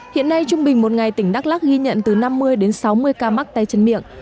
hiện nay trung bình một ngày tỉnh đắk lắc ghi nhận từ năm mươi đến sáu mươi ca mắc tay chân miệng